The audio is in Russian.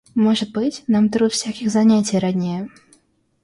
Может быть, нам труд всяких занятий роднее.